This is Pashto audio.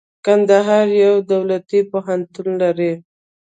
کندهار يو دولتي پوهنتون لري.